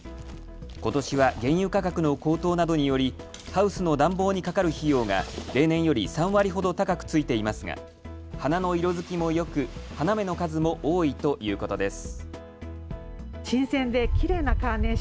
ことしは原油価格の高騰などによりハウスの暖房にかかる費用が例年より３割ほど高くついていますが、花の色づきもよく花芽の数も多いということです。